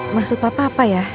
maksud papa apa ya